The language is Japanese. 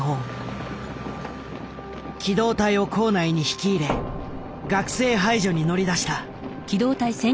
機動隊を構内に引き入れ学生排除に乗り出した。